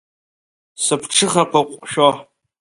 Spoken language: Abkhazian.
Сыԥҽыхақәа ҟәшәо.